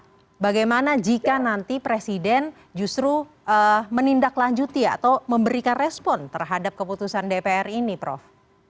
bagaimana jika nanti presiden justru menindaklanjuti atau memberikan respon terhadap keputusan dpr ini prof